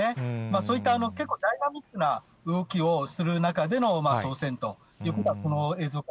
そういった結構、ダイナミックな動きをする中での操船ということ